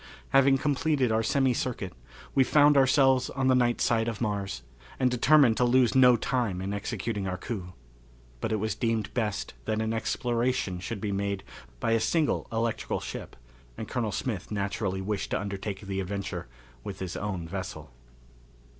Having completed our semi circuit, we found ourselves on the night side of Mars, and determined to lose no time in executing our coup. But it was deemed best that an exploration should first be made by a single electrical ship, and Colonel Smith naturally wished to undertake the adventure with his own vessel.